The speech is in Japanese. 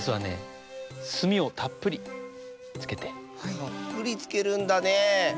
たっぷりつけるんだねえ。